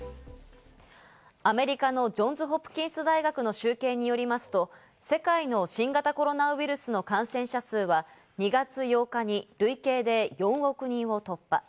アメリカのジョンズ・ホプキンス大学の集計によりますと、世界の新型コロナウイルスの感染者数は２月８日に累計で４億人を突破。